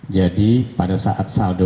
jadi pada saat saldo